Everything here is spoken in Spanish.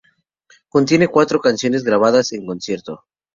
Contiene cuatro canciones grabadas en concierto.